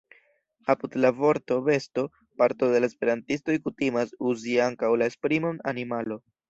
Apud la vorto „besto” parto de la esperantistoj kutimas uzi ankaŭ la esprimon „animalo”.